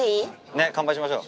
ねっ乾杯しましょう。